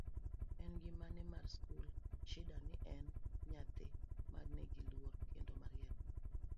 e ngimane mar skul, Shida ne en nyadhi ma nigi luor kendo mariek